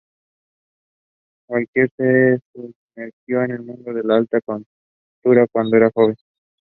No further details of his life are known.